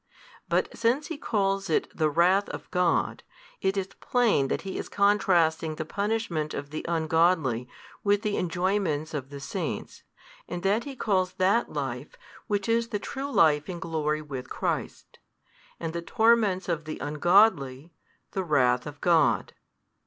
But since he calls it the wrath of God, it is plain that he is contrasting the punishment of the ungodly with the enjoyments of the saints, and that he calls that life, which is the true life in glory with Christ, and the torments of the ungodly, the wrath of God.